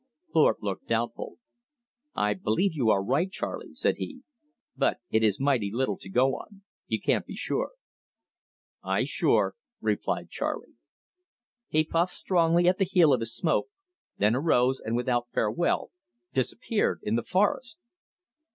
Thorpe looked doubtful. "I believe you are right, Charley," said he. "But it is mighty little to go on. You can't be sure." "I sure," replied Charley. He puffed strongly at the heel of his smoke, then arose, and without farewell disappeared in the forest.